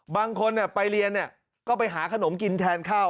บางคนไปเรียนก็ไปหาขนมกินแทนข้าว